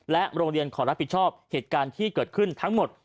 โรงเรียนขอรับผิดชอบเหตุการณ์ที่เกิดขึ้นทั้งหมด